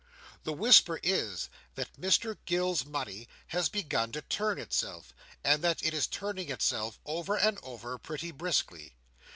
The whisper is that Mr Gills's money has begun to turn itself, and that it is turning itself over and over pretty briskly.